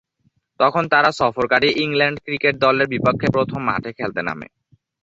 তখন তারা সফরকারী England cricket দলের বিপক্ষে প্রথম মাঠে খেলতে নামে।